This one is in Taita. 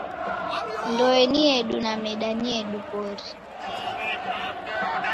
Ndoe ni yedu na meda ni yedu w'ori.